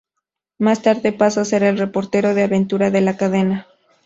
Más tarde pasa a ser el reportero de aventura de la cadena.